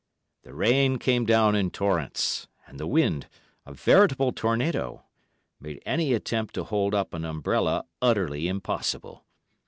The rain came down in torrents, and the wind—a veritable tornado—made any attempt to hold up an umbrella utterly impossible.